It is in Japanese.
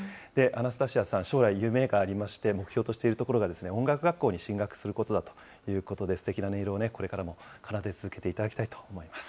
アナスタシアさん、将来、夢がありまして、目標としているところが音楽学校に進学することだということで、すてきな音色をこれからも奏で続けていただきたいと思います。